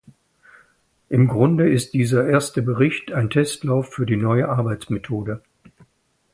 Im Grunde ist dieser erste Bericht ein Testlauf für die neue Arbeitsmethode.